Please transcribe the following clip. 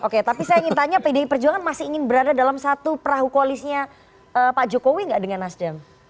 oke tapi saya ingin tanya pdi perjuangan masih ingin berada dalam satu perahu koalisnya pak jokowi nggak dengan nasdem